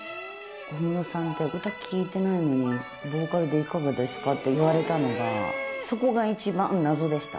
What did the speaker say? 小室さん、歌聴いてないのに、ボーカルでいかがですかって言われたのが、そこが一番謎でした。